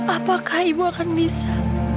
apakah ibu akan bisa